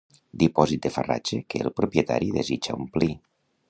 Dipòsit de farratge que el propietari desitja omplir.